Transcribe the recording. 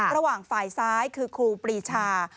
ระหว่างฝ่ายซ้ายคือครูปรีชา